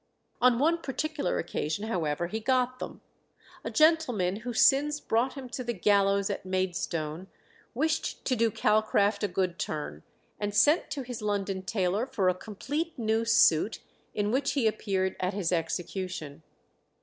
On one particular occasion, however, he got them. A gentleman whose sins brought him to the gallows at Maidstone wished to do Calcraft a good turn, and sent to his London tailor for a complete new suit, in which he appeared at his execution.